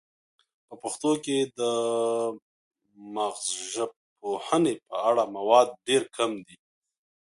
په پښتو کې د مغزژبپوهنې په اړه مواد ډیر کم دي